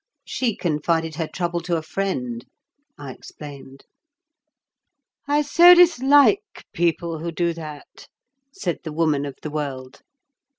"She confided her trouble to a friend," I explained. "I so dislike people who do that," said the Woman of the World.